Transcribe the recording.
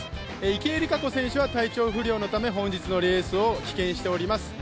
池江璃花子選手は体調不良のため今日のレースを棄権しております。